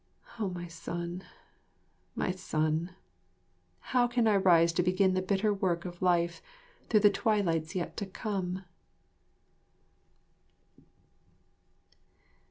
O my son, my son! How can I rise to begin the bitter work of life through the twilights yet to come!